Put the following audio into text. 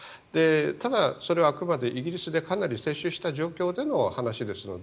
ただ、それはあくまでイギリスでかなり接種した状況での話ですので。